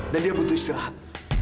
dan dia butuh istirahat